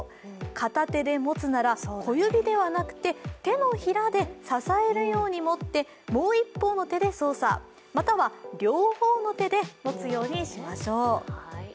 片手で持つなら小指ではなくて、手のひらで支えるように持ってもう一方の手で操作、または両方の手で持つようにしましょう。